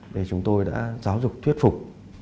để chúng tôi đã giáo dục thuyết phục